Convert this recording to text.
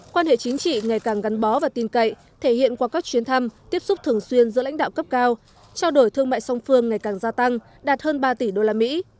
quan hệ chính trị ngày càng gắn bó và tin cậy thể hiện qua các chuyến thăm tiếp xúc thường xuyên giữa lãnh đạo cấp cao trao đổi thương mại song phương ngày càng gia tăng đạt hơn ba tỷ đô la mỹ